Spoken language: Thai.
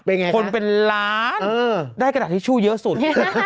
เป็นไงคนเป็นล้านได้กระดาษทิชชู่เยอะสุด